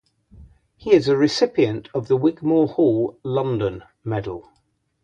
He is a recipient of the Wigmore Hall, London, medal.